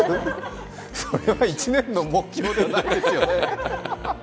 それは１年の目標じゃないですよね。